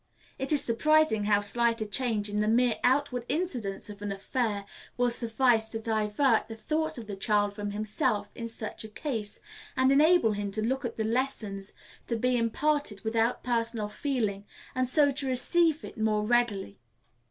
It is surprising how slight a change in the mere outward incidents of an affair will suffice to divert the thoughts of the child from himself in such a case, and enable him to look at the lesson to be imparted without personal feeling, and so to receive it more readily.